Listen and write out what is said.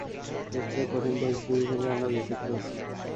এর চেয়েও কঠিন পরিস্থিতি থেকে আমরা বেঁচে ফিরেছি!